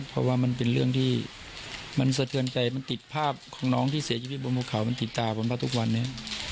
เพราะว่ามันเป็นเรื่องที่มันสะเทือนใจมันติดภาพของน้องที่เสียชีวิตบนภูเขามันติดตาบนผ้าทุกวันนี้